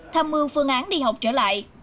tham mưu phương án đi học trở lại